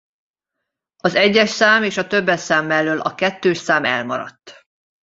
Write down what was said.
Az egyes szám és a többesszám mellől a kettős szám elmaradt.